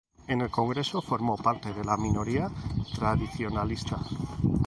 En el Congreso formó parte de la minoría tradicionalista.